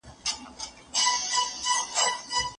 خو ژړا تل ګټه نه کوي.